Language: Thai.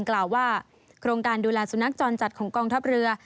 กล่าวว่าโครงการดูแลสุนัขจรจัดของกองทัพเรือ